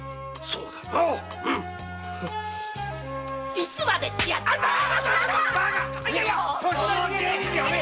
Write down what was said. いつまでやってんだよ！